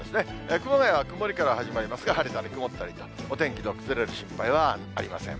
熊谷は曇りから始まりますが、晴れたり曇ったりと、お天気の崩れる心配はありません。